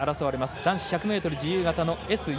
男子１００ｍ自由形のＳ４。